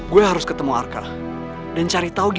dia rasanya menyalahkan dan menyingkir angkut angkutmu